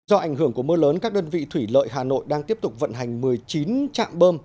do ảnh hưởng của mưa lớn các đơn vị thủy lợi hà nội đang tiếp tục vận hành một mươi chín trạm bơm